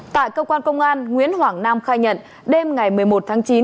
tại công an tp lạng sơn nguyễn hoàng nam khai nhận đêm ngày một mươi một tháng chín